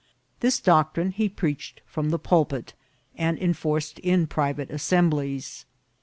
This doctrine he preached from the pulpit, and enforced in private assemblies.